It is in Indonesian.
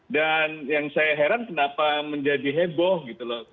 dan yang saya heran kenapa menjadi heboh gitu loh